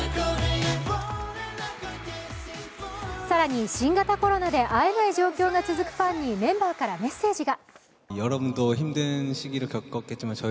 更に新型コロナで会えない状況が続くファンにメンバーからメッセージが。